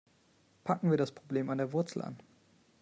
Packen wir das Problem an der Wurzel an.